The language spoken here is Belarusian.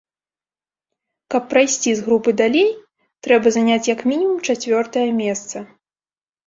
Каб прайсці з групы далей, трэба заняць як мінімум чацвёртае месца.